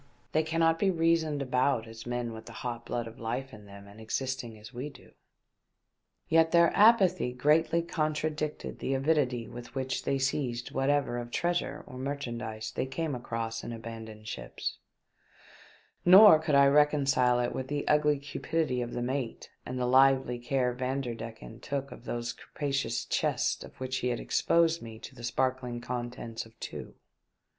" They cannot be reasoned about as men with the hot blood of life in them and existing as we do." Yet their apathy greatly contradicted the avidity with which they seized whatever of treasure or merchandise they came across in abandoned ships, nor could I reconcile it with the ugly cupidity of the mate and the lively care Vanderdecken took of those capa cious chests of which he had exposed to me the sparkling contents of two.